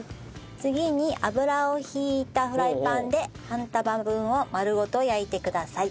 次に油を引いたフライパンで半玉分を丸ごと焼いてください。